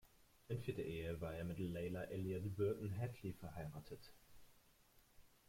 In vierter Ehe war er mit Leila Eliott Burton Hadley verheiratet.